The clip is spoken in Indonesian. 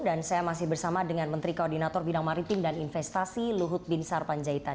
dan saya masih bersama dengan menteri koordinator bidang maritim dan investasi luhut bin sarpanjaitan